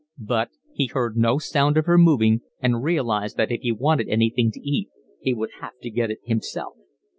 But he heard no sound of her moving, and realised that if he wanted anything to eat he would have to get it himself.